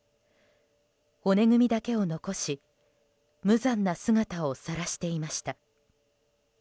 骨組みだけを残し無残な姿をさらしていました。